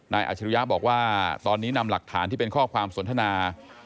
อาชรุยะบอกว่าตอนนี้นำหลักฐานที่เป็นข้อความสนทนา